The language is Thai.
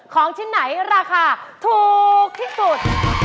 ของชิ้นไหนราคาถูกที่สุด